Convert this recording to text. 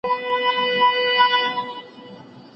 د باوړۍ اوبه به وچي وي، بیا څه کړې